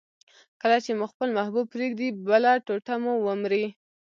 کله چي مو خپل محبوب پرېږدي، بله ټوټه مو ومري.